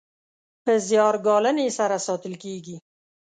په زیار ګالنې سره ساتل کیږي.